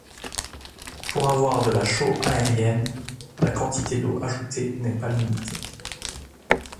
Pour avoir de la chaux aérienne, la quantité d'eau ajoutée n'est pas limitée.